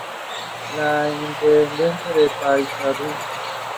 A flag committee was assembled by the board and it soon discussed color choice.